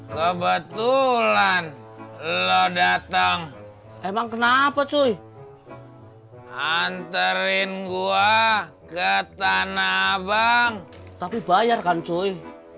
kebetulan lo datang emang kenapa cuy anterin gua ke tanah abang tapi bayarkan cuy